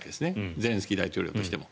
ゼレンスキー大統領としても。